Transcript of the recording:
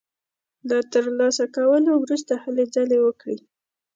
له تر لاسه کولو وروسته هلې ځلې وکړي.